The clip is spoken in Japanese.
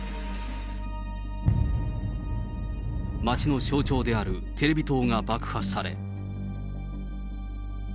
街の象徴であるテレビ塔が爆破され。